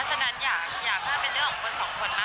ก็แล้วแต่ให้คนกำหนดแล้วกันค่ะ